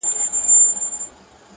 چي په رګونو کی ساه وچلوي-